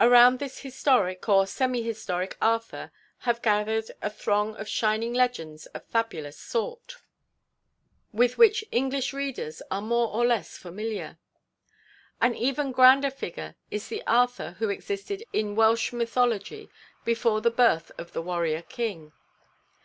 Around this historic or semi historic Arthur have gathered a throng of shining legends of fabulous sort, with which English readers are more or less familiar. An even grander figure is the Arthur who existed in Welsh mythology before the birth of the warrior king.